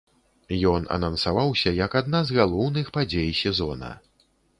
Ён анансаваўся як адна з галоўных падзей сезона.